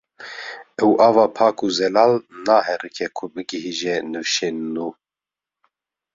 ew ava pak û zelal naherike ku bigihîje nifşên nû